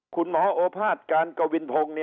คุณหมอโอภาษย์การกวินพงศ์